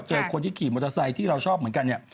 คนที่ขี่มอเตอร์ไซค์ที่เราชอบเหมือนกันเนี่ย